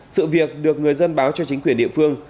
sự việc được người dân báo cho chính quyền địa phương